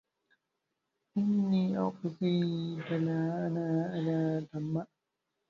إِنّي أُعَزّيكَ لا أَنّي عَلى طَمَعٍ